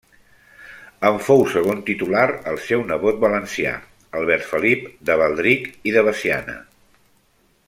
En fou segon titular el seu nebot valencià Albert Felip de Baldric i de Veciana.